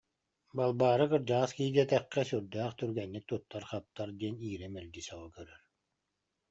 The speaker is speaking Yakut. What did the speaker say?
Балбаара, кырдьаҕас киһи диэтэххэ, сүрдээх түргэнник туттар-хаптар диэн Ира мэлдьи сөҕө көрөр